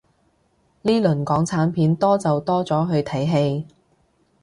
呢輪港產片多就多咗去睇戲